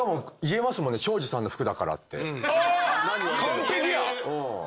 完璧や！